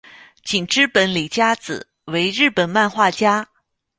井之本理佳子为日本漫画家。